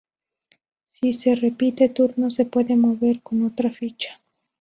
Si se repite turno, se puede mover con otra ficha.